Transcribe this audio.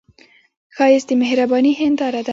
ښایست د مهرباني هنداره ده